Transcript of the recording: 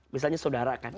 misalnya saudara kan